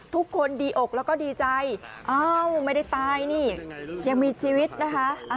ทุกคนดีอกแล้วก็ดีใจอ้าวไม่ได้ตายนี่ยังมีชีวิตนะคะ